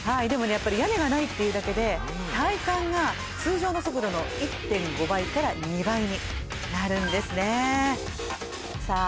やっぱり屋根がないっていうだけで体感が通常の速度の１．５倍から２倍になるんですねさあ